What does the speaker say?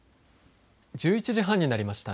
１１時半になりました。